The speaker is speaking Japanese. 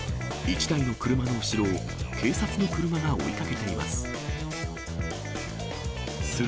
１台の車の後ろを警察の車が追いかけています。